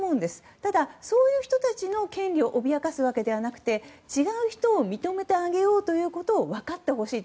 ただ、そういう人たちの権利を脅かすわけじゃなくて違う人を認めてあげようということを分かってほしいと。